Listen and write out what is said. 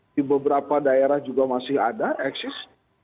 di beberapa daerah juga masih ada eksis